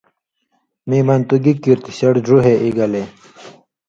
مِیں بان تُو گی کیریۡ تھی شڑ ڙُوہے ایگلے“۔